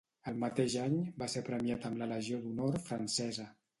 El mateix any, va ser premiat amb la Legió d'honor francesa.